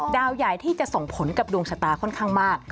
ดาวใหญ่ที่จะส่งผลกับดวงชะตาค่อนข้างมาก